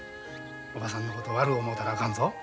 おばさんのこと悪う思うたらあかんぞ。